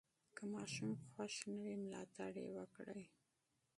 که ماشوم خوښ نه وي، ملاتړ یې وکړئ.